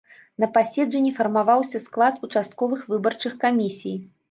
На паседжанні фармаваўся склад участковых выбарчых камісій.